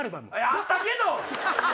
あったけど！